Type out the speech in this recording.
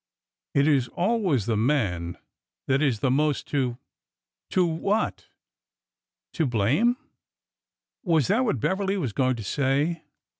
It is always the man that is the most to—" To what? To blame? — was that what Beverly was going to say?